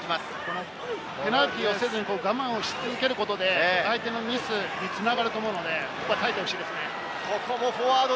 ペナルティーをせずに、我慢を続けることによって相手のミスに繋がるので、ここは耐えてほしいですね。